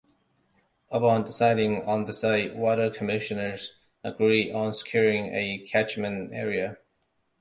Upon deciding on the site, water commissioners agreed on securing a catchment area.